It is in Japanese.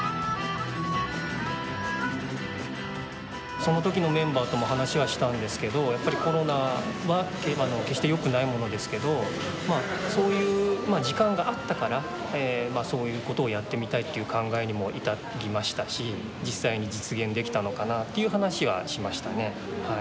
その時のメンバーとも話はしたんですけどやっぱりコロナは決してよくないものですけどそういう時間があったからそういうことをやってみたいっていう考えにも至りましたし実際に実現できたのかなっていう話はしましたねはい。